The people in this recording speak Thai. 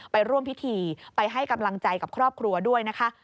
ไปร่วมพิธีไปให้กำลังใจกับครอบครัวด้วยนะคะ